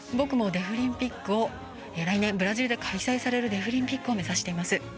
僕も来年ブラジルで開催されるデフリンピックを目指しています。